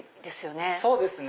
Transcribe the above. そうですね。